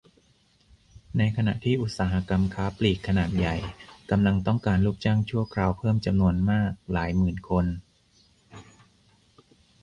ในขณะที่อุตสาหกรรมค้าปลีกขนาดใหญ่ กำลังต้องการลูกจ้างชั่วคราวเพิ่มจำนวนมากหลายหมื่นคน